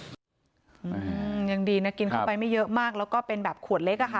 อืมยังดีนะกินเข้าไปไม่เยอะมากแล้วก็เป็นแบบขวดเล็กอะค่ะ